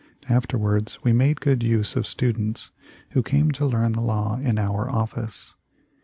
Afterwards we made good use of stu dents who came to learn the law in our office.